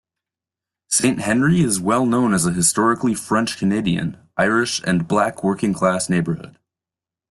Saint-Henri is well known as a historically French-Canadian, Irish and black working class neighbourhood.